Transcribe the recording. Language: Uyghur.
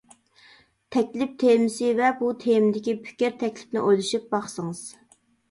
تەكلىپ تېمىسى ۋە بۇ تېمىدىكى پىكىر-تەكلىپنى ئويلىشىپ باقسىڭىز.